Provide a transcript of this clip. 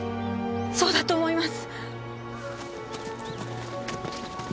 そうだと思います。